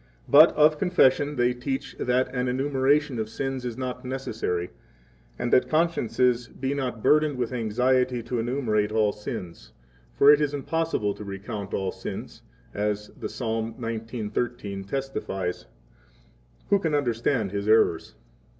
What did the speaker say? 7 But of Confession they teach that an enumeration of sins is not necessary, and that consciences be not burdened with anxiety to enumerate all sins, for it is impossible to recount all sins, as the Psalm 19:13 testifies: Who can understand his errors?